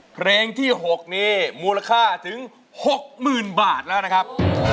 เพลงที่๖นี้มูลค่าถึง๖๐๐๐บาทแล้วนะครับ